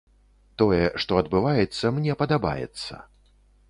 Тое, што адбываецца, мне падабаецца.